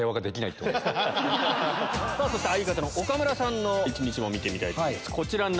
そして相方の岡村さんの一日も見てみたいと思います。